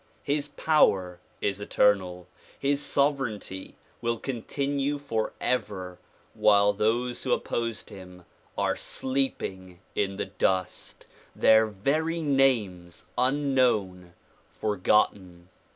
His power is eternal ; his sover eignty will continue forever while those who opposed him are sleep ing in the dust, their very names unknown, forgotten.